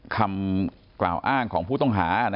คำกล่าวอ้างของผู้ต้องหา